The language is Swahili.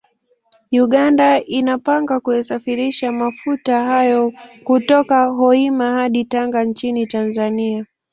Uganda inapanga kuyasafirisha mafuta hayo kutoka Hoima hadi Tanga nchini Tanzania